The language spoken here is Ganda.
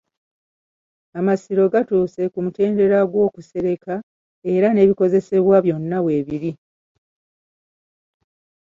Amasiro gatuuse ku mutendera gw'okusereka era n'ebikozesebwa byonna weebiri.